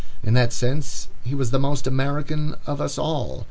In that sense he was the most American of us all.